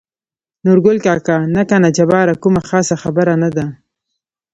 نورګل کاکا: نه کنه جباره کومه خاصه خبره نه ده.